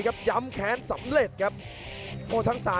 ดาบดำเล่นงานบนเวลาตัวด้วยหันขวา